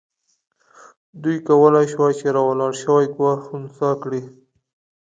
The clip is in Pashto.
دوی کولای شوای چې راولاړ شوی ګواښ خنثی کړي.